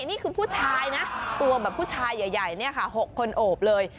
นี่คือผู้ชายนะตัวแบบผู้ชายใหญ่เนี่ยค่ะ๖คนโอบเลย